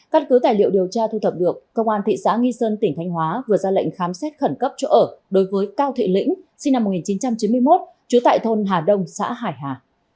căn cứ tài liệu điều tra thu thập được công an thị xã nghi sơn tỉnh thanh hóa vừa ra lệnh khám xét khẩn cấp chỗ ở đối với cao thị lĩnh sinh năm một nghìn chín trăm chín mươi một trú tại thôn hà đông xã hải hà